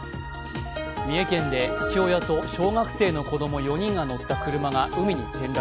三重県で父親と小学生４人が乗った車が海に転落。